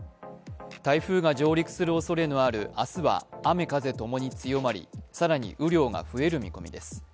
台風が上陸するおそれのある明日は雨・風ともに強まり更に雨量が増える見込みです。